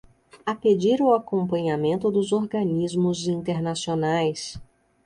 A pedir o acompanhamento dos organismos internacionais